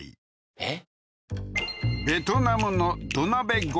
えっ？